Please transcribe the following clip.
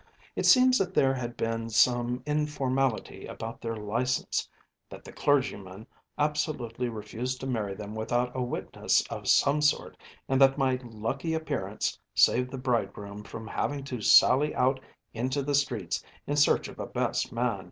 It seems that there had been some informality about their license, that the clergyman absolutely refused to marry them without a witness of some sort, and that my lucky appearance saved the bridegroom from having to sally out into the streets in search of a best man.